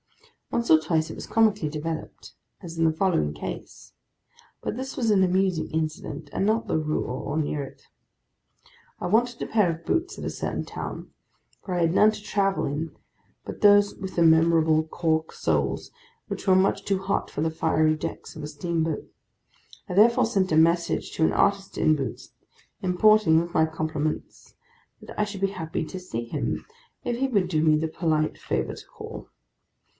Once or twice it was comically developed, as in the following case; but this was an amusing incident, and not the rule, or near it. I wanted a pair of boots at a certain town, for I had none to travel in, but those with the memorable cork soles, which were much too hot for the fiery decks of a steamboat. I therefore sent a message to an artist in boots, importing, with my compliments, that I should be happy to see him, if he would do me the polite favour to call.